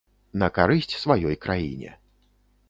На карысць сваёй краіне.